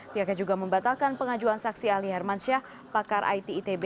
pihaknya juga membatalkan pengajuan saksi ahli hermansyah pakar ititb